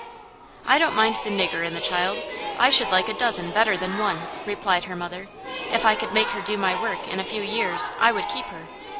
"I don't mind the nigger in the child. I should like a dozen better than one," replied her mother. "If I could make her do my work in a few years, I would keep her.